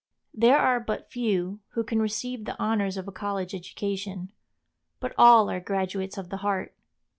There are but few who can receive the honors of a college education, but all are graduates of the heart.